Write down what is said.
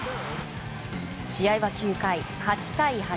試合は９回、８対８。